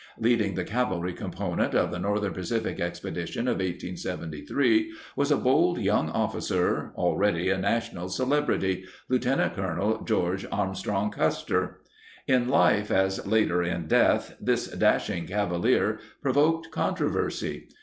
Leading the cavalry component of the Northern Pacific Expedition of 1873 was a bold young officer already a national celebrity— Lt. Col. George Arm strong Custer. In life as later in death, this dashing cavalier provoked controversy.